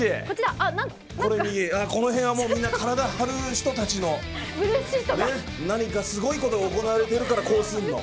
この辺は、みんな体張る人たちの何かすごいことが行われてるからこうするの。